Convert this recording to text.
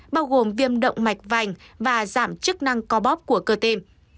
bao gồm viêm động mạch vành và giảm chức năng co bóp của cơ tim